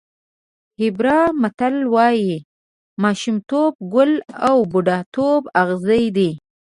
هېبرا متل وایي ماشومتوب ګل او بوډاتوب اغزی دی.